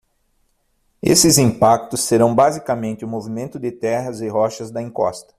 Esses impactos serão basicamente o movimento de terras e rochas da encosta.